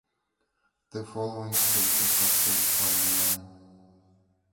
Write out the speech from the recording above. The following places are served by the line.